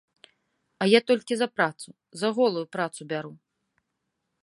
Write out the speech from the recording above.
А я толькі за працу, за голую працу бяру.